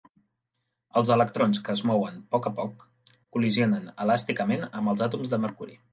Els electrons que es mouen a poc a poc col·lisionen elàsticament amb els àtoms de mercuri.